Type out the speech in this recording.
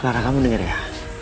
clara kamu denger ya